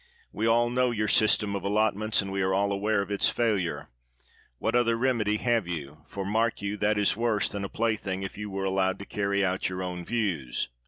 We all know your system of allotments, and we are all aware of its failure. What other remedy have you ? For, mark you, that is worse than a plaything, if you were allowed to carry out your own views.